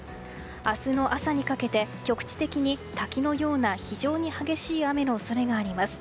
明日の朝にかけて局地的に滝のような非常に激しい雨の恐れがあります。